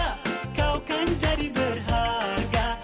untuk kejadi sempurna